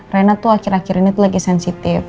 rena tuh akhir akhir ini tuh lagi sensitif